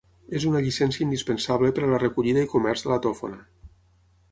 És una llicència indispensable per a la recollida i comerç de la tòfona.